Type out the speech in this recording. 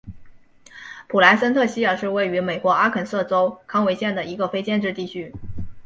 普莱森特希尔是位于美国阿肯色州康韦县的一个非建制地区。